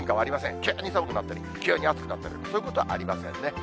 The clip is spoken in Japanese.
急に寒くなったり、急に暑くなったりとか、そういうことはありませんね。